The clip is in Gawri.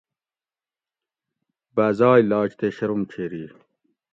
بازائے لاج تے شرم چھیری